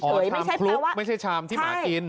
ชามคลุกไม่ใช่ชามที่หมากิน